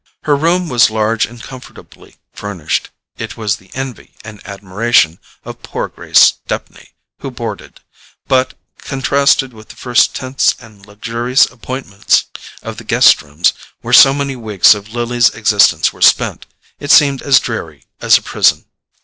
Her room was large and comfortably furnished—it was the envy and admiration of poor Grace Stepney, who boarded; but, contrasted with the light tints and luxurious appointments of the guest rooms where so many weeks of Lily's existence were spent, it seemed as dreary as a prison.